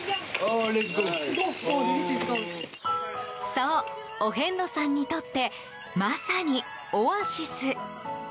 そう、お遍路さんにとってまさにオアシス。